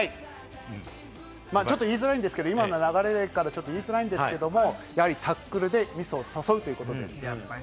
ちょっと言いづらいんですけれど、今の流れから言いづらいんですけれど、タックルでミスを誘うということです。